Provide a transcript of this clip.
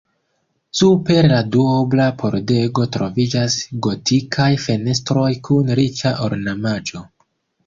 Super la duobla pordego troviĝas gotikaj fenestroj kun riĉa ornamaĵo.